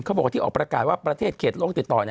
เขาบอกว่าที่ออกประกาศว่าประเทศเขตโลกติดต่อ